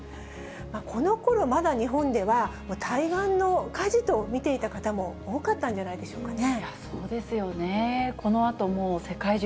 このころ、まだ日本では、対岸の火事と見ていた方も多かったんじゃないでしょうかね。